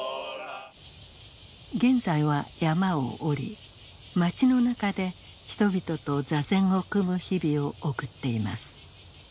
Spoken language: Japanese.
現在は山を下り街の中で人々と坐禅を組む日々を送っています。